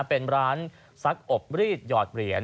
เป็นร้านซักอบรีดหยอดเหรียญ